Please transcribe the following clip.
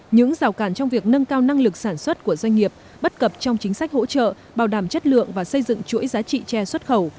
những rào cản trong việc nâng cao năng lực sản xuất của doanh nghiệp bất cập trong chính sách hỗ trợ bảo đảm chất lượng và xây dựng chuỗi giá trị tre xuất khẩu